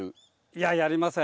いややりません。